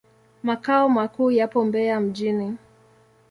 Makao makuu yapo Mbeya mjini.